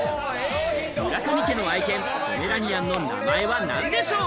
村上家の愛犬ポメラニアンの名前は何でしょう？